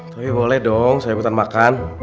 tapi boleh dong saya hutan makan